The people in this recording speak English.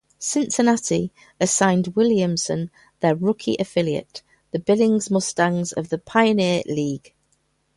Cincinnati assigned Williamson their rookie affiliate, the Billings Mustangs of the Pioneer League.